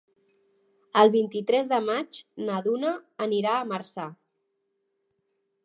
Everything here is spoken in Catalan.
El vint-i-tres de maig na Duna anirà a Marçà.